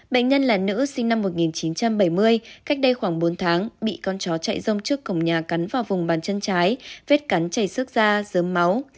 bệnh nhân là nữ sinh năm một nghìn chín trăm bảy mươi cách đây khoảng bốn tháng bị con chó chạy rông trước cổng nhà cắn vào vùng bàn chân trái vết cắn chảy sức da dơm máu